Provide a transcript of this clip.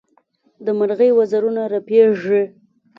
د مرغۍ وزرونه رپېږي.